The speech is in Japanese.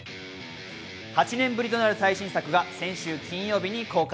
８年ぶりとなる最新作は先週金曜日に公開。